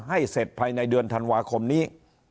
ให้เสร็จภายในเดือนธันวาคมนี้